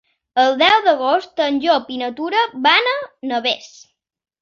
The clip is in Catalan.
El deu d'agost en Llop i na Tura van a Navès.